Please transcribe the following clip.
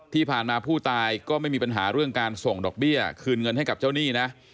ที่ผ่านมาผู้ตายก็ไม่มีปัญหาเรื่องการส่งดอกเบี้ยคืนเงินให้กับเจ้าหนี้นะ